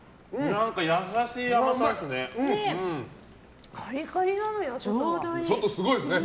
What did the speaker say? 何か優しい甘さですね。